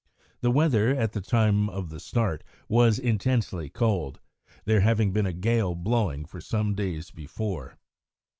The weather, at the time of the start, was intensely cold, there having been a gale blowing for some days before.